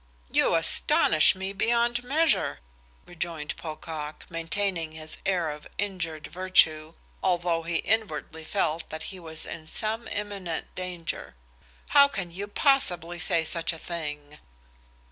"You astonish me beyond measure," rejoined Pocock, maintaining his air of injured virtue, although he inwardly felt that he was in some imminent danger. "How can you possibly say such a thing?"